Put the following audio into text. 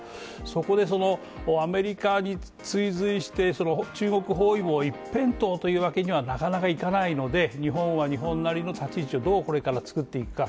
そこでアメリカに追随して中国包囲網一辺倒というわけにはなかなかいかないので日本は日本なりの立ち位置をどうこれから作っていくか。